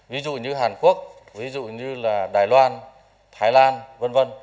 ví dụ như hàn quốc ví dụ như là đài loan thái lan v v